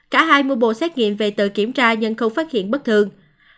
cả hai mua bộ xét nghiệm về tự kiểm tra nhưng không phát hiện bất thường